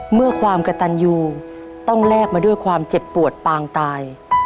เมื่อความกระตันยูต้องแลกมาด้วยความเจ็บปวดปางตาย